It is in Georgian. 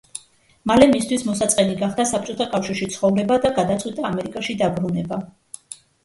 მალე მისთვის მოსაწყენი გახდა საბჭოთა კავშირში ცხოვრება და გადაწყვიტა ამერიკაში დაბრუნება.